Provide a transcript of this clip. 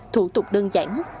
thủ tục đơn giản